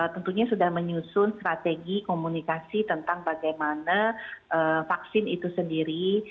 tentunya sudah menyusun strategi komunikasi tentang bagaimana vaksin itu sendiri